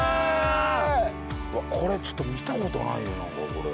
うわっこれちょっと見た事ないねなんかこれ。